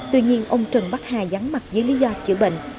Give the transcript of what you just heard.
tuy nhiên ông trần bắc hà gián mặt dưới lý do chữa bệnh